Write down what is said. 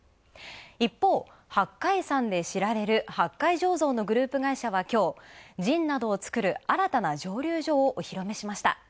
一方、八海山で知られる八海醸造のグループはきょう、ジンなどを造る新たな蒸留所をお披露目しました。